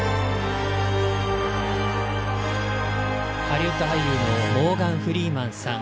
ハリウッド俳優のモーガン・フリーマンさん。